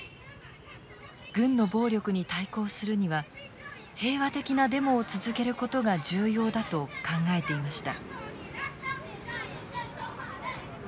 軍の暴力に対抗するには平和的なデモを続けることが重要だと考えていました。